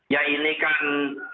ya ini kan